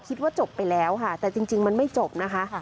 คิดว่าจบไปแล้วค่ะแต่จริงมันไม่จบนะคะ